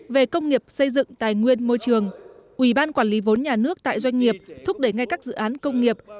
về công nghiệp xây dựng tài nguyên môi trường ủy ban quản lý vốn nhà nước tại doanh nghiệp thúc đẩy ngay các dự án công nghiệp